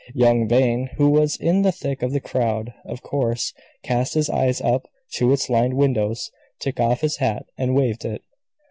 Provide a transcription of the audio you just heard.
Young Vane, who was in the thick of the crowd, of course, cast his eyes up to its lined windows, took off his hat and waved it.